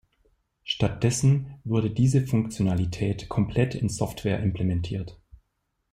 Stattdessen wurde diese Funktionalität komplett in Software implementiert.